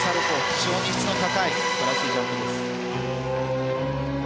非常に質の高い素晴らしいジャンプです。